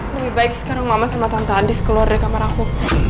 lebih baik sekarang mama sama tante adis keluar dari kamar aku